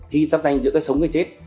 khi giáp danh giữa cái sống với chết